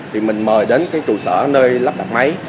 thì mình mời đến cái trụ sở nơi lắp đặt máy